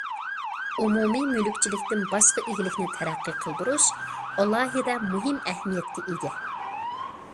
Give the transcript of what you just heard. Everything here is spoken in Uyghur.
ئومۇمىي مۈلۈكچىلىكتىن باشقا ئىگىلىكنى تەرەققىي قىلدۇرۇش ئالاھىدە مۇھىم ئەھمىيەتكە ئىگە.